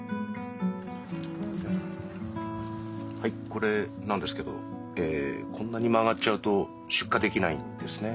はいこれなんですけどこんなに曲がっちゃうと出荷できないんですね。